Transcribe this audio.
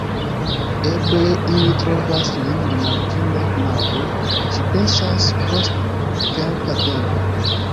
Eble ili trovas lin rimarkinda knabo, ŝi pensas post kelka tempo.